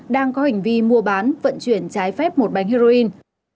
đang có hành vi mua bán vận chuyển trái phép một bánh heroin